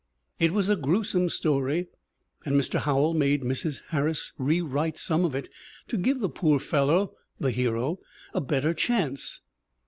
It was a gruesome story and Mr. Howell made Mrs. Har ris rewrite some of it to "give the poor fellow [the hero] a better chance."